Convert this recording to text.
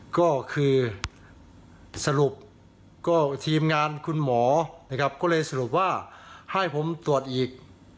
ก็คือสรุปก็ทีมงานคุณหมอนะครับก็เลยสรุปว่าให้ผมตรวจอีก